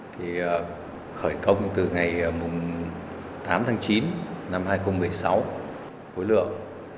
để cho dự án